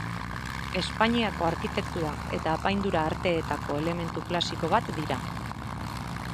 Espainiako arkitektura eta apaindura arteetako elementu klasiko bat dira.